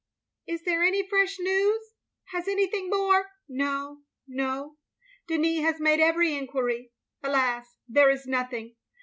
"Is there any fresh news —? Has anything more —" "No, no. Denis has made every enquiry. Alas, there is nothing.